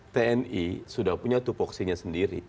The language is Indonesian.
tni sudah punya tupoksinya sendiri